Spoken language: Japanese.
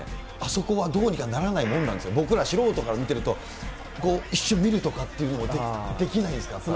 あそこはどうにかならなかったもんなんですか、僕ら素人から見てると、こう一瞬見るとかというのもできないですか。